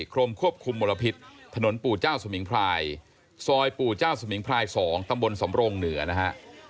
กรมควบคุมมลพิษถนนปู่เจ้าสมิงพรายซอยปู่เจ้าสมิงพราย๒ตำบลสำรงเหนือนะฮะ